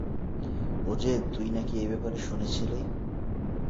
ওজে, তুই নাকি এই ব্যাপারে শুনেছিলি?